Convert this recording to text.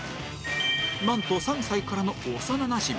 なんと３歳からの幼なじみ